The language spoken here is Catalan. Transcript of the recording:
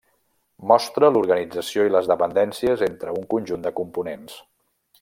Mostra l'organització i les dependències entre un conjunt de components.